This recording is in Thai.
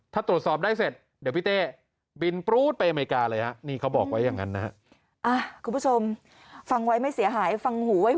ถ้าตรวจสอบได้เสร็จเดี๋ยวพี่เต้บินปรู๊ดไปอเมริกาเลยฮะ